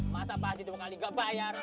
masa pak haji dua kali gak bayar